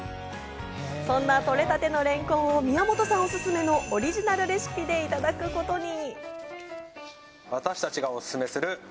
そんな取れたてのれんこんを宮本さんおすすめのオリジナルレシピでいただくことに。